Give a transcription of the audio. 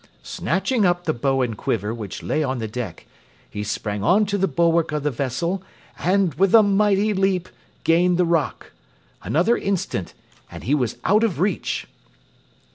Snatching up the bow and quiver which lay on the deck, he sprang on to the bulwark of the vessel, and, with a mighty leap, gained the rock. Another instant, and he was out of reach.